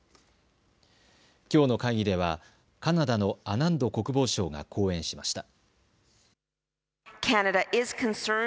きょうの会議ではカナダのアナンド国防相が講演しました。